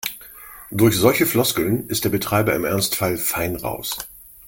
Durch solche Floskeln ist der Betreiber im Ernstfall fein raus.